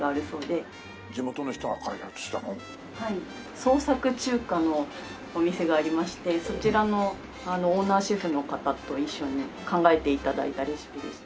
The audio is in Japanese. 創作中華のお店がありましてそちらのオーナーシェフの方と一緒に考えて頂いたレシピでして。